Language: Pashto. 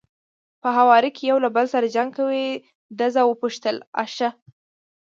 په هواره کې یو له بل سره جنګ کوي، ده زه وپوښتل: آ ښه.